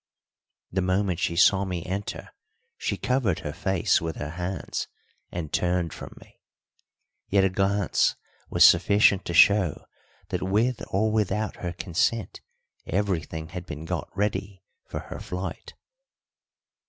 The moment she saw me enter she covered her face with her hands and turned from me. Yet a glance was sufficient to show that with or without her consent everything had been got ready for her flight.